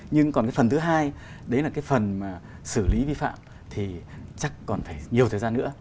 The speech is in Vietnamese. nhưng còn cái phần thứ hai đấy là cái phần mà xử lý vi phạm thì chắc còn phải nhiều thời gian nữa